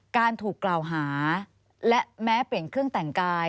การถูกกล่าวหาและแม้เปลี่ยนเครื่องแต่งกาย